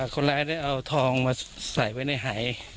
คนร้ายได้เอาทองมาใส่ไว้ในหาย